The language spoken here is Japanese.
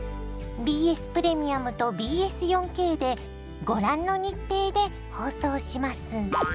ＢＳプレミアムとＢＳ４Ｋでご覧の日程で放送します。